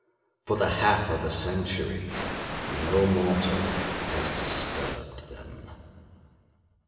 For the half of a century no mortal has disturbed them.